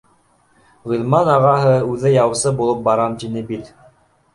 Ғилман ағаһы үҙе яусы булып барам тине бит